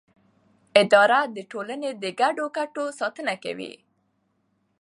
اداره د ټولنې د ګډو ګټو ساتنه کوي.